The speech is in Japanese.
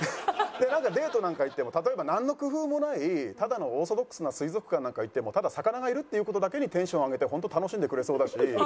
デートなんか行っても例えばなんの工夫もないただのオーソドックスな水族館なんか行ってもただ魚がいるっていう事だけにテンション上げて本当楽しんでくれそうだし。